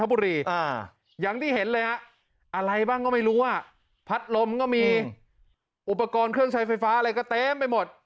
อุปกรณ์เครื่องใช้ไฟฟ้าอะไรก็เต็มไปหมด